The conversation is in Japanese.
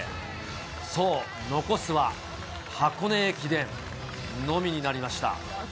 そう、残すは箱根駅伝のみになりました。